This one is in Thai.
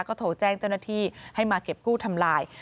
ก็โทรแจ้งเจ้าหน้าที่ให้มาเก็บกู้ทำลาย